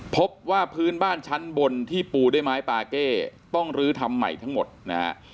พบว่าพื้นบ้านชั้นบนที่ปูด้วยไม้ปาเก้ต้องลื้อทำใหม่ทั้งหมดนะฮะ